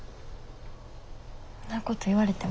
んなこと言われてもよね。